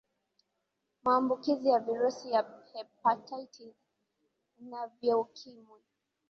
maambukizi ya virusi ya hepatitis na vya ukimwi